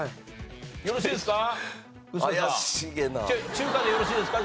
中華でよろしいですか？